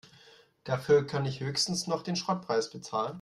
Dafür kann ich höchstens noch den Schrottpreis bezahlen.